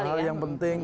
jadi hal hal yang penting